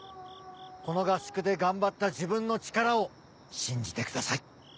この合宿で頑張った自分の力を信じてください。